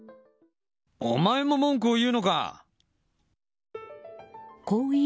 お前も文句を言うのか！